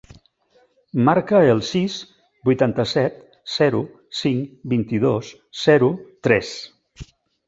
Marca el sis, vuitanta-set, zero, cinc, vint-i-dos, zero, tres.